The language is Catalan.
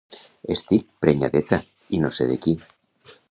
Estic prenyadeta i no sé de qui.